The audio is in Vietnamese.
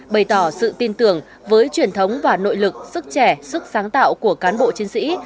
bày tỏ sự tin tưởng với truyền thống và nội lực sức trẻ sức sáng tạo của cán bộ chiến sĩ